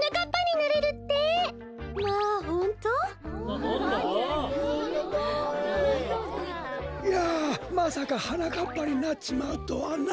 いやまさかはなかっぱになっちまうとはな。